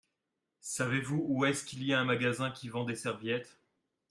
Savez-vous où est-ce qu’il y a un magasin qui vend des serviettes ?